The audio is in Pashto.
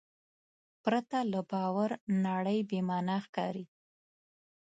پرته له باور نړۍ بېمانا ښکاري.